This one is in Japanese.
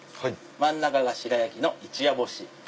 真ん中が白焼きの一夜干し。